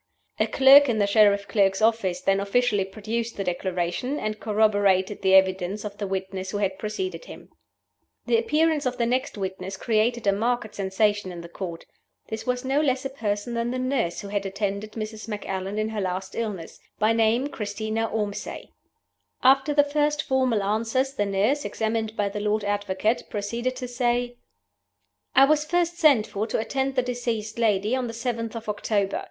A clerk in the Sheriff Clerk's office then officially produced the Declaration, and corroborated the evidence of the witness who had preceded him. The appearance of the next witness created a marked sensation in the Court. This was no less a person than the nurse who had attended Mrs. Macallan in her last illness by name Christina Ormsay. After the first formal answers, the nurse (examined by the Lord Advocate) proceeded to say: "I was first sent for to attend the deceased lady on the 7th of October.